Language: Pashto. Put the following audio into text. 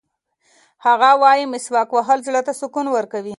هغه وایي چې مسواک وهل زړه ته سکون ورکوي.